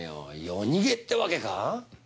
夜逃げってわけか？